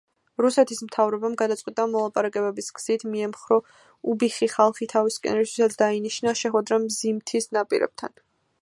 რუსეთის მთავრობამ გადაწყვიტა მოლაპარაკებების გზით მიემხრო უბიხი ხალხი თავისკენ, რისთვისაც დაინიშნა შეხვედრა მზიმთის ნაპირებთან.